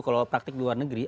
kalau praktik di luar negeri